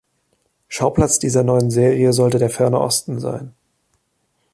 Schauplatz dieser neuen Serie sollte der Ferne Osten sein.